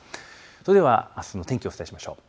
それではあすの天気、お伝えしましょう。